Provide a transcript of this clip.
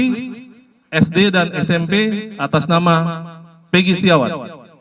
sd dan smp atas nama pegi setiawan